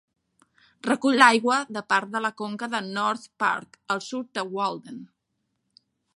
Recull l'aigua de part de la conca de North Park, al sud de Walden.